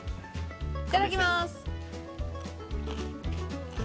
いただきます。